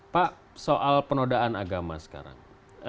pak soal penodaan agama sekarang